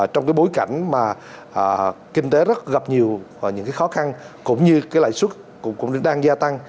trong cái bối cảnh mà kinh tế rất gặp nhiều những khó khăn cũng như cái lãi suất cũng đang gia tăng